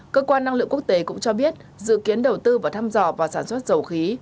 cơ quan năng lượng quốc tế cũng cho biết dự kiến đầu tư vào thăm dò vào sản xuất dầu khí